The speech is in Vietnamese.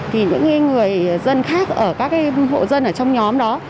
thì những người dân khác ở các hộ dân ở trong nhóm đó